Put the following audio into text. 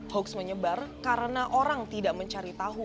hoax menyebar karena orang tidak mencari tahu